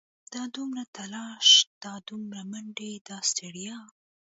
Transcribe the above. دا دومره تلاښ دا دومره منډې دا ستړيا.